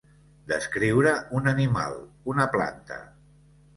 Descriure un animal, una planta.